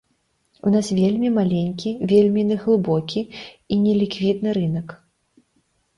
У нас вельмі маленькі, вельмі неглыбокі і неліквідны рынак.